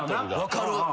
分かる。